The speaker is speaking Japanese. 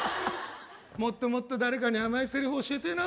もっともっと誰かにあまいセリフ教えてえな。